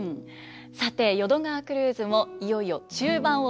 さて淀川クルーズもいよいよ中盤を過ぎました。